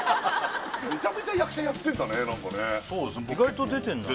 めちゃめちゃ役者やってんだね